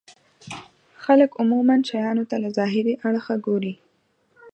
خلک عموما شيانو ته له ظاهري اړخه ګوري.